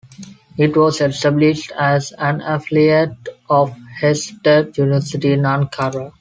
It was established as an affiliate of Hacettepe University in Ankara.